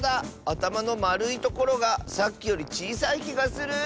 あたまのまるいところがさっきよりちいさいきがする。